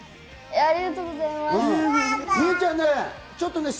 ありがとうございます！